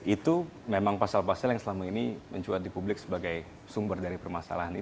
itu memang pasal pasal yang selama ini mencuat di publik sebagai sumber dari permasalahan ini